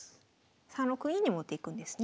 ３六銀に持っていくんですね。